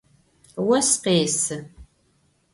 Ос къесы.